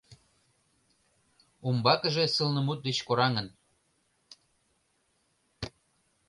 Умбакыже сылнымут деч кораҥын.